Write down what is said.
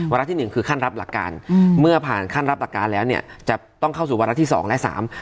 ระที่หนึ่งคือขั้นรับหลักการอืมเมื่อผ่านขั้นรับหลักการแล้วเนี่ยจะต้องเข้าสู่วาระที่สองและสาม